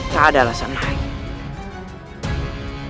tak ada alasan lain